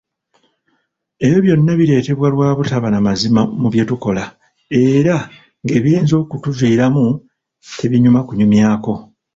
Ebyo byonna bireetebwa lwa butaba namazima, mu bye tukola era ng'ebiyinza okutuviiramu tebinyuma kunyumyako!